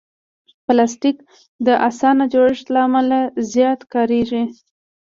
پلاستيک د اسانه جوړښت له امله زیات کارېږي.